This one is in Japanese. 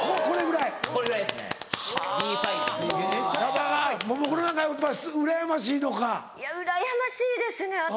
これぐらいですね